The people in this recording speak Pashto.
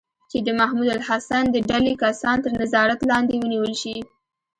چې د محمود الحسن د ډلې کسان تر نظارت لاندې ونیول شي.